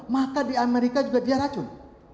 maka di amerika juga dia racun